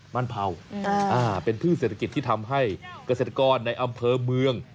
มันเผาเป็นพืชเศรษฐกิจที่ทำให้เกษตรกรในอำเภอเมือง